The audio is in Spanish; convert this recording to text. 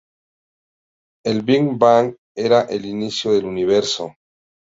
El Bigbang era el inicio del universo.